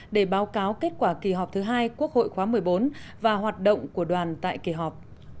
để báo cáo kết quả kỳ họp thứ hai quốc hội khóa một mươi bốn và hoạt động của đoàn tại kỳ họp